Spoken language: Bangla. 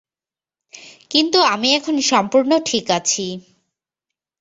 কিন্তু আমি এখন সম্পূর্ণ ঠিক আছি।